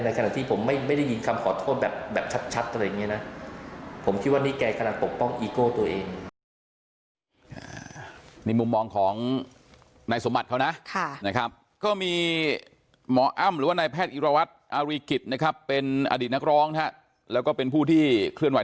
ในขณะที่ผมไม่ได้ยินคำขอโทษแบบชัดอะไรอย่างนี้นะ